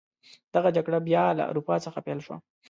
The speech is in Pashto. دغه جګړه بیا له اروپا څخه پیل شوه.